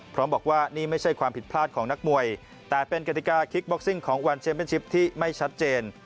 พร้อมบอกว่านี่ไม่ใช่ความผิดพลาดของนักมวยแต่เป็นกฎิกาคิกบ็อกซิ่งของวันเชมเป็นชิปที่ไม่ชัดเจน